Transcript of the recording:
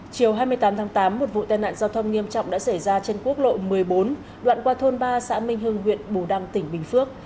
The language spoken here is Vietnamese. chiều hai mươi tám tháng tám một vụ tai nạn giao thông nghiêm trọng đã xảy ra trên quốc lộ một mươi bốn đoạn qua thôn ba xã minh hưng huyện bù đăng tỉnh bình phước